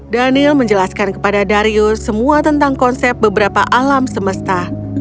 daniel menjelaskan kepada darius semua tentang konsep beberapa alam semesta